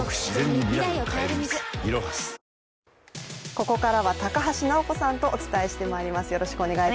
ここからは高橋尚子さんとお伝えしてまいります。